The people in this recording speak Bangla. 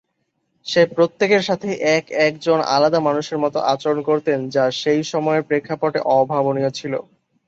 সে প্রত্যেকের সাথে এক এক জন আলাদা মানুষের মতো আচরণ করতেন, যা সেই সময়ের প্রেক্ষাপটে অভাবনীয় ছিলো।